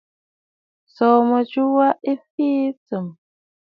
Ǹsòò mɨjɨ wa ɨ fii tsɨ̂ŋ.